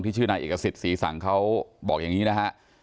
ชื่อนายเอกสิทธิ์ศรีสังเขาบอกอย่างนี้นะฮะ